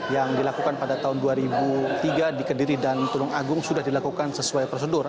yang dilakukan pada tahun dua ribu tiga di kediri dan tulung agung sudah dilakukan sesuai prosedur